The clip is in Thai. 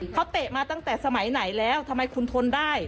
เขาเตะมาตั้งแต่สมัยไหนแล้วทำไมคุณทนได้